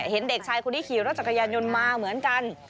เห็นเด็กชายคนนี้ขี่รถจักรยานยนต์มาเหมือนกัน